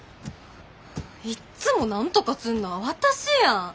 いっつもなんとかすんのは私やん！